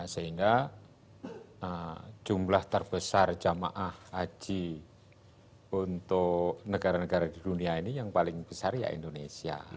sehingga jumlah terbesar jamaah haji untuk negara negara di dunia ini yang paling besar ya indonesia